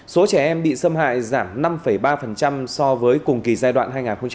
số trẻ em bị xâm hại giảm năm ba so với cùng kỳ giai đoạn hai nghìn một mươi chín hai nghìn hai mươi